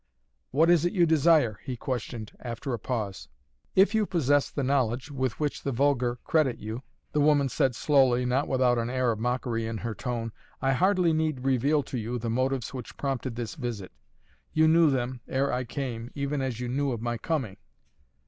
"What is it you desire?" he questioned after a pause. "If you possess the knowledge with which the vulgar credit you," the woman said slowly, not without an air of mockery in her tone, "I hardly need reveal to you the motives which prompted this visit! You knew them, ere I came, even as you knew of my coming!"